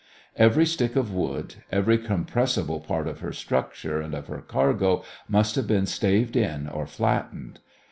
Every stick of wood, every compressible part of her structure and of her cargo, must have been staved in or flattened.